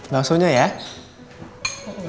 mau kuahnya lagi